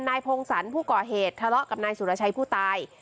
นายพงศรผู้ก่อเหตุทะเลาะกับนายสุรชัยผู้ตาย